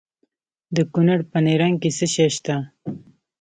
د کونړ په نرنګ کې څه شی شته؟